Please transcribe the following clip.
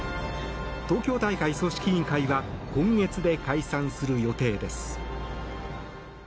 東京大会組織委員会は今月で解散する予定です。